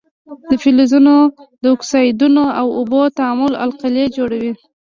د فلزونو د اکسایدونو او اوبو تعامل القلي جوړوي.